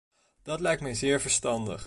Dat lijkt mij zeer verstandig.